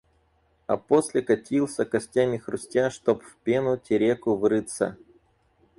А после катился, костями хрустя, чтоб в пену Тереку врыться.